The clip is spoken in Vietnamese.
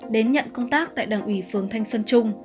đến nhận công tác tại đảng ủy phường thanh xuân trung